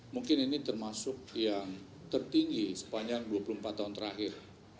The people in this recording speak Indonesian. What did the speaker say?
mungkin ini termasuk yang tertinggi sepanjang dua puluh empat tahun terakhir